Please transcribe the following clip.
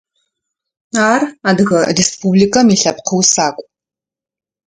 Ар Адыгэ Республикым илъэпкъ усакӏу.